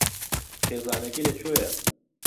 خێزانەکەی لەکوێیە؟